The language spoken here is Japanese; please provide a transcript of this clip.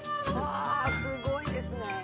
すごいですね。